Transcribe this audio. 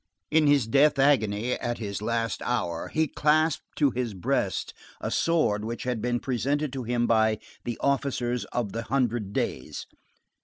In his death agony, at his last hour, he clasped to his breast a sword which had been presented to him by the officers of the Hundred Days.